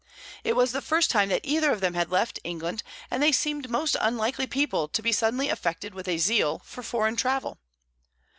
It was the first time that either of them had left England, and they seemed most unlikely people to be suddenly affected with a zeal for foreign travel.